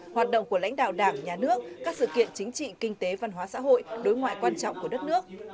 hoạt động của lãnh đạo đảng nhà nước các sự kiện chính trị kinh tế văn hóa xã hội đối ngoại quan trọng của đất nước